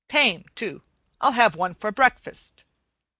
Tame, too. I'll have one for breakfast."